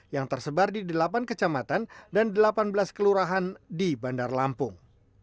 yang tersebar di delapan kecamatan dan delapan belas kelurahan di bandar lampung